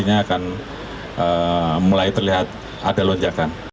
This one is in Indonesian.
ini akan mulai terlihat ada lonjakan